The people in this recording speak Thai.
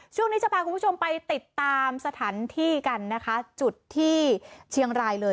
ช่วงนี้จะพาคุณผู้ชมไปติดตามสถานที่กันนะคะจุดที่เชียงรายเลย